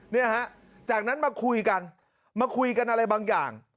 เนี่ยฮะจากนั้นมาคุยกันมาคุยกันอะไรบางอย่าง